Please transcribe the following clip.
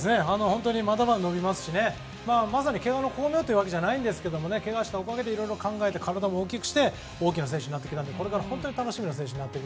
まだまだ伸びますしまさに怪我の功名というわけじゃないんですけどけがをしたおかげでいろいろ考えて体も大きくして大きな選手になってくれたのでこれからが楽しみな選手で。